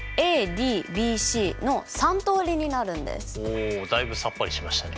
ほうだいぶさっぱりしましたね。